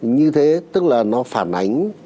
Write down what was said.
như thế tức là nó phản ánh